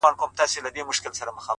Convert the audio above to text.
هره تجربه نوی اړخ ښکاره کوي.!